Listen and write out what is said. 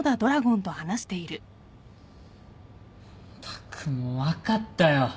ったくもう分かったよ。